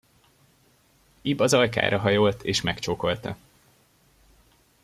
Ib az ajkára hajolt és megcsókolta.